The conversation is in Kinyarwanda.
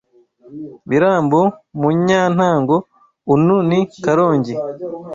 Birambo mu Nyantango unu ni Karongi)